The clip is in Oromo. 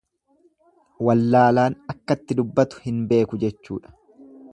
Wallaalaan akkatti dubbatu hin beeku jechuudha.